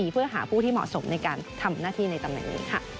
เพื่อหาผู้ที่เหมาะสมในการทำหน้าที่ในตำแหน่งนี้